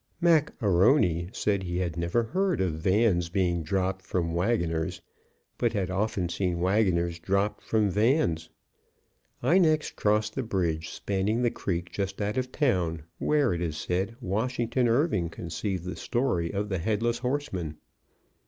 Mac A'Rony said he had never heard of Vans being dropped from Wagoners, but had often seen wagoners dropped from vans. I next crossed the bridge spanning the creek just out of town, where, it is said, Washington Irving conceived the story of the headless horseman.